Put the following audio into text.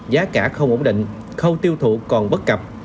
giá cả không ổn định khâu tiêu thụ còn bất cập